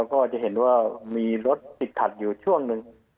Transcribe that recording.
ก็จะเห็นว่ามีรถติดขัดอยู่ช่วงหนึ่ง